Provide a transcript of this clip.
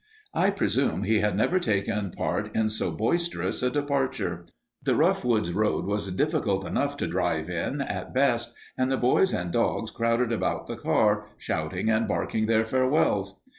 I presume he had never taken part in so boisterous a departure. The rough woods road was difficult enough to drive in at best, and the boys and dogs crowded about the car, shouting and barking their farewells.